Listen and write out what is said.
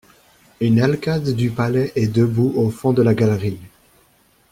Un alcade du palais est debout au fond de la galerie.